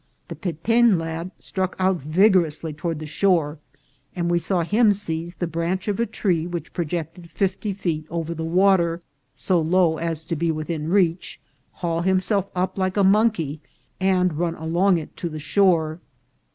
The Pe ten lad struck out vigorously toward the shore, and we saw him seize the branch of a tree which projected fifty feet over the water, so low as to be within reach, haul himself up like a monkey, and run along it to the shore.